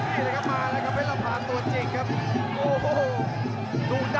ที่นี่นะครับพระมึด